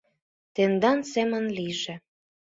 — Тендан семын лийже.